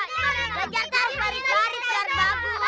belajar baris baris agar bagus